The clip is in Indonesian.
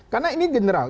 karena ini general